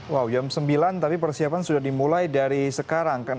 wow jam sembilan tapi persiapan sudah dimulai dari sekarang kan